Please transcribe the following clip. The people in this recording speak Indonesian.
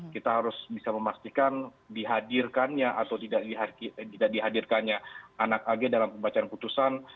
kita harus bisa memastikan dihadirkannya atau tidak dihadirkannya anak ag dalam pembacaan putusan